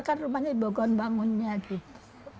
kan rumahnya di bogor bangunnya gitu